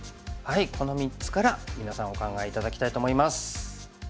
この３つから皆さんお考え頂きたいと思います。